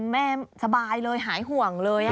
แม่สบายเลยหายห่วงเลย